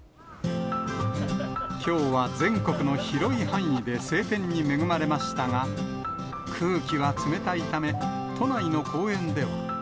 きょうは全国の広い範囲で晴天に恵まれましたが、空気が冷たいため、都内の公園では。